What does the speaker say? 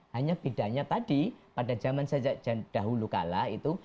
hanya bedanya tadi pada zaman dahulu kalah itu